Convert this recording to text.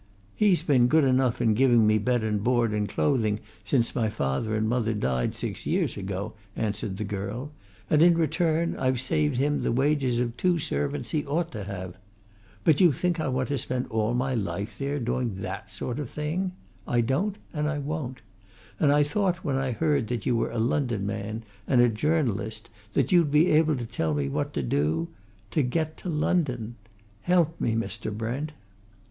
"He's been good enough in giving me bed and board and clothing since my father and mother died six years ago," answered the girl, "and in return I've saved him the wages of the two servants he ought to have. But do you think I want to spend all my life there, doing that sort of thing? I don't and I won't! And I thought, when I heard that you were a London man, and a journalist, that you'd be able to tell me what to do to get to London. Help me, Mr. Brent!"